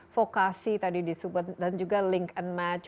vokasi tadi disebut dan juga link and match